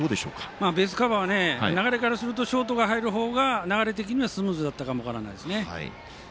ベースカバーは流れからするとショートが入るほうが流れとしてはスムーズだったかもしれないですね。